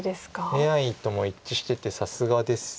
ＡＩとも一致しててさすがです。